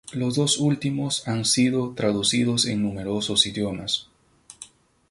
Los dos últimos han sido traducidos en numerosos idiomas.